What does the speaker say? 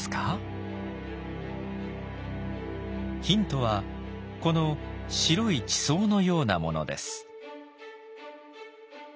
ヒントはこの白い地層のようなものです。